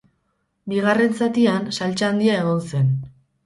Bigarren zatian saltsa handia egon zen.